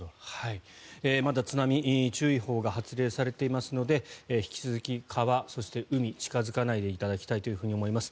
まだ津波注意報が発令されていますので引き続き川、そして海に近付かないでいただきたいと思います。